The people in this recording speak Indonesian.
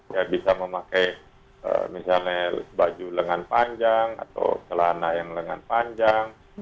ya bisa memakai misalnya baju lengan panjang atau celana yang lengan panjang